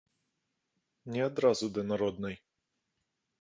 Не адразу да народнай.